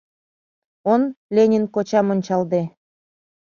Он Ленин кочам ончалде